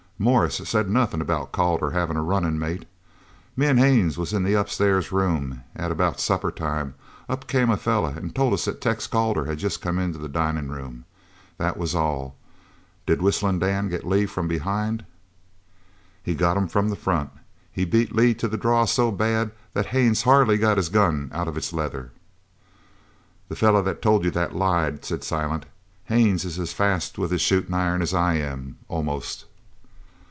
Morris said nothin' about Calder havin' a runnin' mate. Me an' Haines was in the upstairs room an' about suppertime up came a feller an' told us that Tex Calder had jest come into the dinin' room. That was all. Did Whistlin' Dan get Lee from behind?" "He got him from the front. He beat Lee to the draw so bad that Haines hardly got his gun out of its leather!" "The feller that told you that lied," said Silent. "Haines is as fast with his shootin' iron as I am almost!"